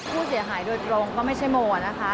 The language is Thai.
ผู้เสียหายโดยตรงก็ไม่ใช่โมนะคะ